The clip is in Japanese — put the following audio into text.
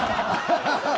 ハハハハ！